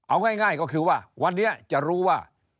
เอาง่ายก็คือว่าวันนี้จะรู้ว่า